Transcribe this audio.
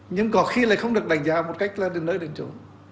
nhưng có khi lại không được đánh giá một cách là nơi đến chỗ